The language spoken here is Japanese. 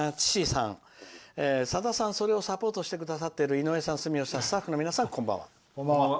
「さださん、それをサポートしてくださってる井上さん、住吉さんスタッフの皆さん、こんばんは。